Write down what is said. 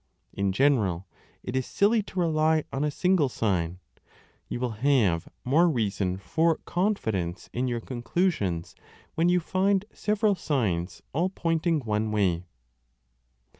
In general it 8o7 a is silly to rely on a single sign : you will have more reason for confidence in your conclusions when you find several signs all pointing one way.